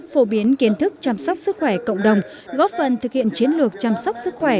phổ biến kiến thức chăm sóc sức khỏe cộng đồng góp phần thực hiện chiến lược chăm sóc sức khỏe